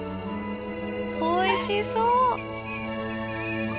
「おいしそう！」。